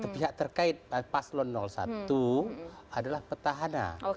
pihak terkait paslon satu adalah petahana